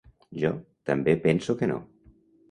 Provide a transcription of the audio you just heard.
Jo també penso que no.